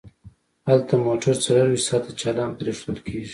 هلته موټر څلور ویشت ساعته چالان پریښودل کیږي